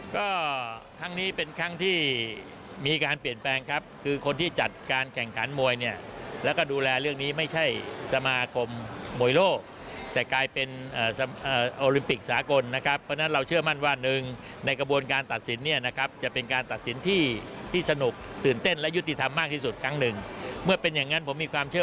ก็ครั้งนี้เป็นครั้งที่มีการเปลี่ยนแปลงครับคือคนที่จัดการแข่งขันมวยเนี่ยแล้วก็ดูแลเรื่องนี้ไม่ใช่สมาคมมวยโลกแต่กลายเป็นโอลิมปิกสากลนะครับเพราะฉะนั้นเราเชื่อมั่นว่าหนึ่งในกระบวนการตัดสินเนี่ยนะครับจะเป็นการตัดสินที่ที่สนุกตื่นเต้นและยุติธรรมมากที่สุดครั้งหนึ่งเมื่อเป็นอย่างนั้นผมมีความเชื่อ